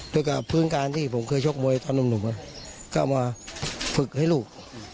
ด้วยกับพื้นการที่ผมเคยชกมวยตอนหนุ่มก็มาฝึกให้ลูก